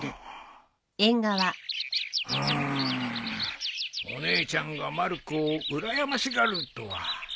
うーむお姉ちゃんがまる子をうらやましがるとは。